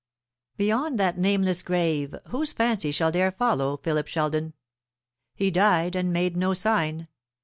Beyond that nameless grave whose fancy shall dare follow Philip Sheldon? He died and made no sign.